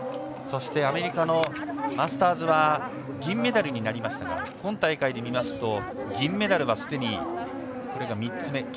アメリカのマスターズは銀メダルになりましたが今大会で見ますと銀メダルはこれで３つ目。